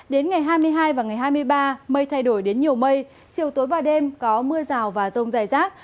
đến ngày hai mươi hai và ngày hai mươi ba mây thay đổi đến nhiều mây chiều tối và đêm có mưa rào và rông dài rác